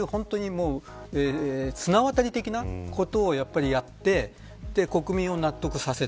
綱渡り的なことをやって国民を納得させる。